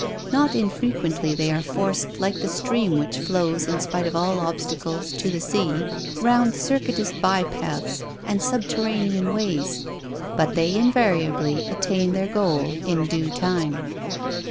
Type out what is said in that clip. Not in frequently they are forced like the stream which flows in spite of all obstacles to the sea, round circuitous by paths and subterranean ways, but they invariably attain their goal in due time.